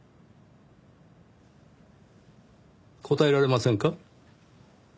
答えられませんか？